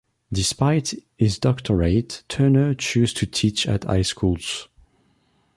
Despite his doctorate, Turner chose to teach at high schools.